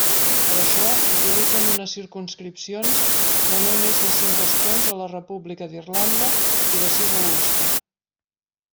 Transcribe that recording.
Per això, utilitzen unes circumscripcions de no més de cinc escons a la República d'Irlanda i de sis a l'Ulster.